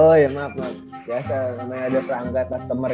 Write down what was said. oh ya maaf mas biasa namanya ada perangkat customer